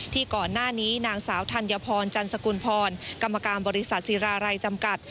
ก่อนหน้านี้นางสาวธัญพรจันสกุลพรกรรมการบริษัทศิรารัยจำกัด